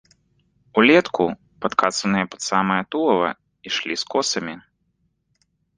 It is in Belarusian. Улетку, падкасаныя пад самае тулава, ішлі з косамі.